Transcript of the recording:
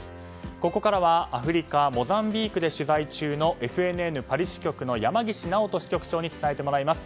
ここからは、アフリカモザンビークで取材中のＦＮＮパリ支局の山岸直人支局長に伝えてもらいます。